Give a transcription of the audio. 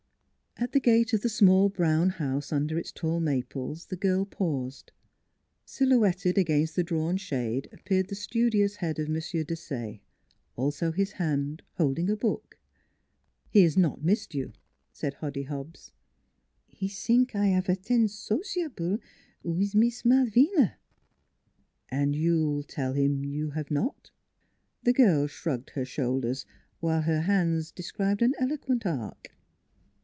At the gate of the small brown house under its tall maples, the girl paused: silhouetted against the drawn shade appeared the studious head of M. Desaye; also his hand, holding a book. " He has not missed you," said Hoddy Hobbs. " He sink I 'ave attend so ciable wiz Mees Malvina." " And you will tell him that you have not? " The girl shrugged her shoulders, while her hands described an eloquent arc.